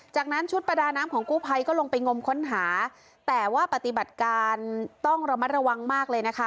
จากนั้นชุดประดาน้ำของกู้ภัยก็ลงไปงมค้นหาแต่ว่าปฏิบัติการต้องระมัดระวังมากเลยนะคะ